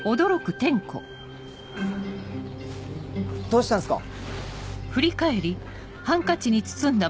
どうしたんすか？